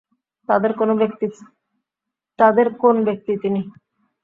তাদের কোন ব্যক্তি তিনি?